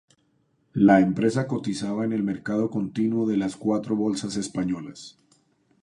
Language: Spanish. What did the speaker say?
La empresa cotizaba en el mercado continuo de las cuatro bolsas españolas.